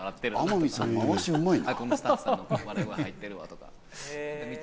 天海さん、回し、うまいな。